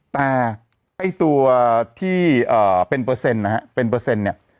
แต่ไอ้ตัวที่เป็นเปอร์เซ็นต์นะฮะเป็นเปอร์เซ็นต์เนี่ย